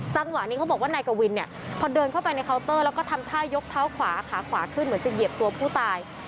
จังหวะนี้เขาบอกว่านายกวินเนี่ยพอเดินเข้าไปในเคาน์เตอร์แล้วก็ทำท่ายกเท้าขวาขาขวาขึ้นเหมือนจะเหยียบตัวผู้ตาย